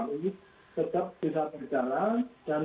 ini adalah istilah istilah yang harus kita perbaiki ke depan